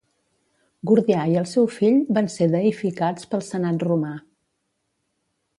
Gordià i el seu fill van ser deïficats pel senat romà.